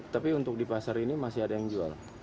tapi untuk di pasar ini masih ada yang jual